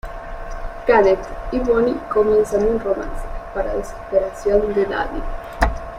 Kenneth y Bonnie comienzan un romance, para desesperación de Danny.